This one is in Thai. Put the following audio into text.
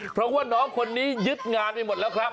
เพราะว่าน้องคนนี้ยึดงานไปหมดแล้วครับ